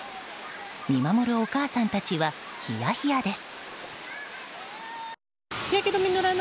見守るお母さんたちはヒヤヒヤです。